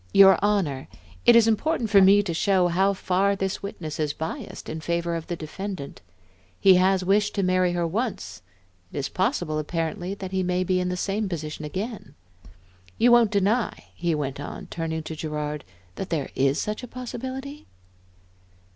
"Your Honor, it is important for me to show how far this witness is biassed in favor of the defendant. He has wished to marry her once, it is possible, apparently, that he may be in the same position again. You won't deny," he went on, turning to Gerard, " that there is such a possibility?"